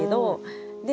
で